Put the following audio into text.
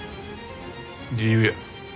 理由や。